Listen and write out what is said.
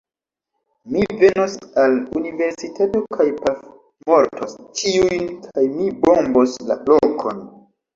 Mi venos al universitato kaj pafmortos ĉiujn kaj mi bombos la lokon